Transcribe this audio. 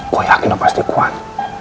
gue yakin lo pasti kuat